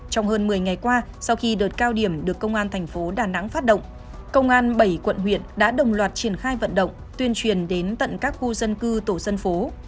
trong hơn một mươi ngày qua sau khi đợt cao điểm được công an thành phố đà nẵng phát động công an bảy quận huyện đã đồng loạt triển khai vận động tuyên truyền đến tận các khu dân cư tổ dân phố